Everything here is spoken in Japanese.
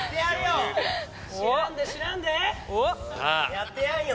やってやんよ！